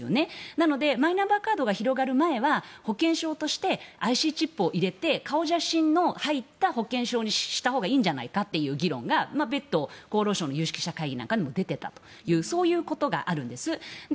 なのでマイナンバーカードが広がる前は保険証としてＩＣチップを入れて顔写真の入った保険証にしたほうがいいんじゃないかという議論が別途、厚労省の有識者会議なんかにも出ていたというそういうことがあるんです。